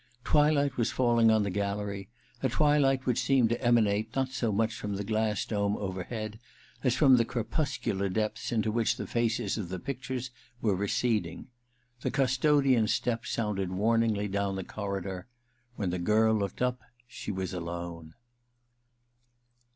Twilight was falling on the gallery — a twilight which seemed to emanate not so much from the glass dome overhead as from the crepuscular depths into which the faces of the pictures were receding. The custodian's step sounded warningly down the corridor. When the girl looked up she was alone.